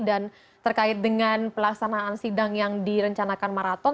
dan terkait dengan pelaksanaan sidang yang direncanakan marathon